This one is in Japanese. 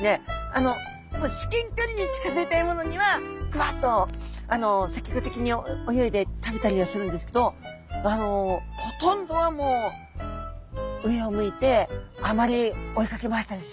あの至近きょりに近づいた獲物にはグワッと積極的に泳いで食べたりはするんですけどあのほとんどはもう上を向いてあまり追いかけ回したりしないんですね。